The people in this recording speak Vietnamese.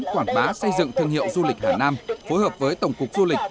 quảng bá xây dựng thương hiệu du lịch hà nam phối hợp với tổng cục du lịch